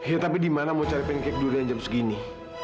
ya tapi di mana mau cari pancake durian jam segini